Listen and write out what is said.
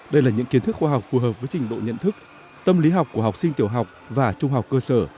đây là những kiến thức khoa học phù hợp với trình độ nhận thức tâm lý học của học sinh tiểu học và trung học cơ sở